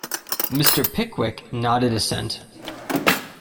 Mr. Pickwick nodded assent.